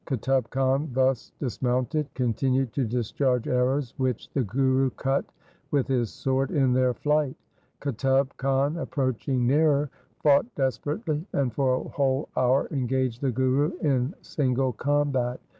Qutub Khan thus dis mounted, continued to discharge arrows, which the Guru cut with his sword in their flight. Qutub Khan approaching nearer fought desperately, and for a whole hour engaged the Guru in single combat.